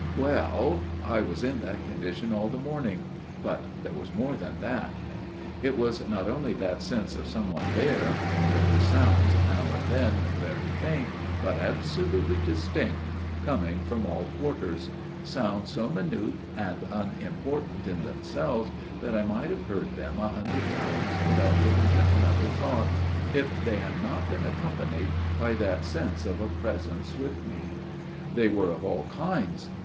Well ; I was in that condition all the morning. But there was more than that. " It was not only that sense of some one there ; there were sounds now and then, very faint, but absolutely distinct, coming from all quarters sounds so minute and unimportant in themselves that I might have heard them a hundred times without giving them another thought, if they had not been accompanied by that sense of a presence with me. They were of all kinds.